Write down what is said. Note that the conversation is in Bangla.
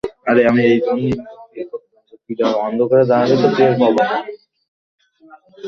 আমরা অনেকেই শুধু ধূলিমুষ্টি ধরিয়া থাকি।